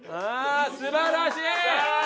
素晴らしい！